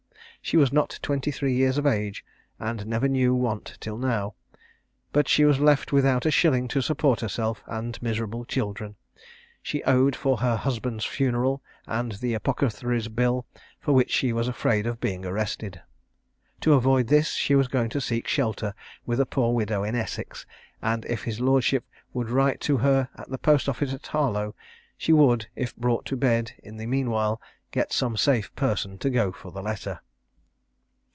She was not twenty three years of age, and never knew want till now; but she was left without a shilling to support herself and miserable children: she owed for her husband's funeral, and the apothecary's bill, for which she was afraid of being arrested. To avoid this she was going to seek shelter with a poor widow in Essex; and if his lordship would write to her at the post office at Harlow, she would, if brought to bed in the meanwhile, get some safe person to go for the letter.